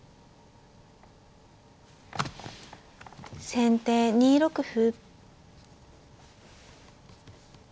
先手２六歩。